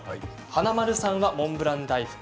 華丸さん、モンブラン大福。